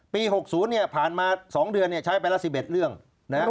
๖๐เนี่ยผ่านมา๒เดือนเนี่ยใช้ไปละ๑๑เรื่องนะครับ